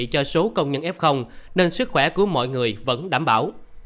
cho số công nhân f nên sức khỏe của mọi người vẫn đảm bảo